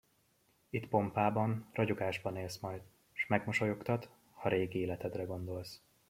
Itt pompában, ragyogásban élsz majd, s megmosolyogtat, ha régi életedre gondolsz.